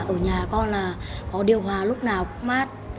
ở nhà con là có điều hòa lúc nào cũng mát